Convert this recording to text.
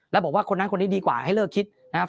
แล้วบอกว่าคนนั้นคนนี้ดีกว่าให้เลิกคิดนะครับ